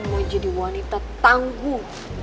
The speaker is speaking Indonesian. gue mau jadi wanita tangguh